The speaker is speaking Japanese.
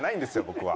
僕は。